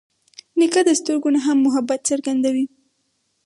نیکه د سترګو نه هم محبت څرګندوي.